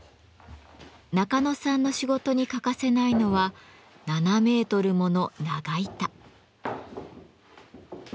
中野さんの仕事に欠かせないのは７メートルもの長板。